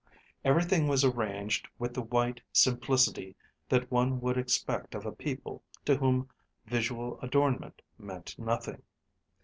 Everything was arranged with the white simplicity that one would expect of a people to whom visual adornment meant nothing.